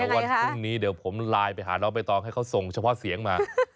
วันพรุ่งนี้เดี๋ยวผมไลน์ไปหาน้องใบตองให้เขาส่งเฉพาะเสียงมา